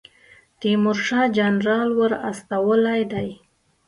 تیمورشاه جنرال ور استولی دی.